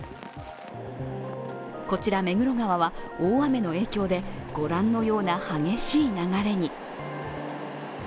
こちら目黒川は、大雨の影響で御覧のような激しい流れに。